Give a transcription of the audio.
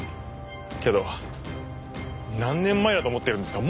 けど何年前だと思ってるんですか？